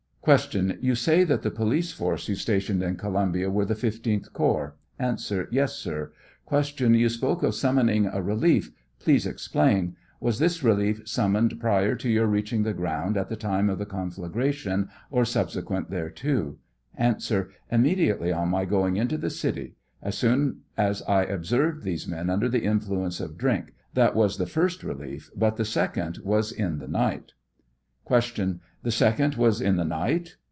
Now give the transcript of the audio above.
Q. Tou say that the police force you stationed in Columbia were the 15th corps ? A. Tes, sir. Q. Tou spoke of summoning a relief; please explain ; was this relief summoned prior to your reaching the ground at the time of the conflagration or subsequent thereto ? A. Immediately on my going into the city ; as soon as I observed these men under the influence of drink ; that was the flrst relief, but the second was in the night. 59 Q. The second was in the night?